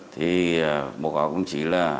thì mục đích cũng chỉ là